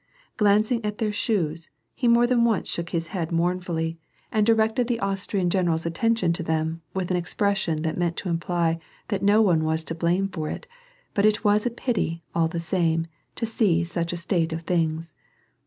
Glancing at their shoes^ he more than once shook his head mournfully and 136 WAR AND PEACE. directed the Austrian general^s attention to them with an expression that meant to imply that no one was to blame for it, but it was a pity, all the same, to see such a state of things.